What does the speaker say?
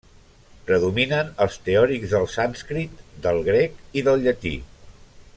Predominen els teòrics del sànscrit, del grec i del llatí.